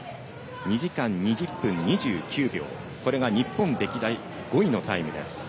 ２時間２０分２９秒これが日本歴代５位のタイムです。